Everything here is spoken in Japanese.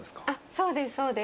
そうですそうです。